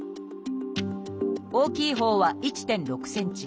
大きいほうは１．６ｃｍ。